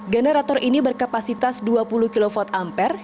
generator ini berkapasitas dua puluh kv ampere